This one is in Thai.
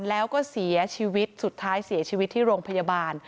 แล้วก็เสียชีวิตสุดท้ายเสียชีวิตที่โรงพยาบาล